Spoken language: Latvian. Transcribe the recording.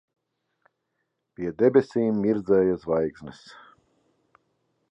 Pie debesīm mirdzēja zvaigznes.